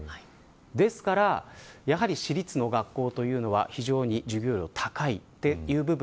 ですから、私立の学校というのは非常に授業料が高いという部分